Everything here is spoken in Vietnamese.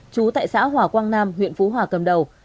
chú tại xã hòa quang nam huyện phú hòa cầm đầu